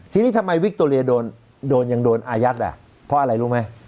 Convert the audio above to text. ทีนี้ทำไมวิคโตเรียโดนยังโดนอายัดอ่ะเพราะอะไรรู้ไหม